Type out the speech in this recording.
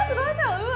うわ！